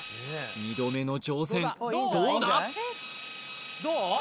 ２度目の挑戦どうだ？